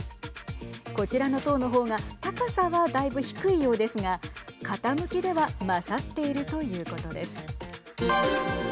こちらの塔の方が高さは、だいぶ低いようですが傾きでは勝っているということです。